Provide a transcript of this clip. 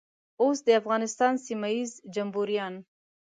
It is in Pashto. اوس د امریکا سیمه ییز جمبوریان.